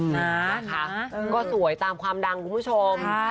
นะคะก็สวยตามความดังคุณผู้ชม